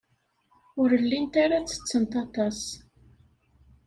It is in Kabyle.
Ur llint ara ttettent aṭas.